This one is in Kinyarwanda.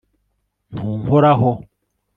ntunkoraho